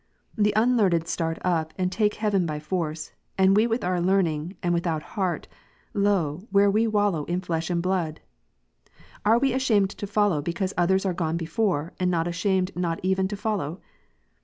The unlearned start up and take heaven by force, and we with our learning, and without Mat. 6, heart, lo, where we wallow in flesh and blood ! Are we ashamed to follow, because others are gone before, and not ashamed not even to follow